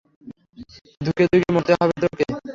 ধুকে ধুকে মরতে হবে তোকে।